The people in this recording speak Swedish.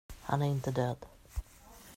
Han är inte död.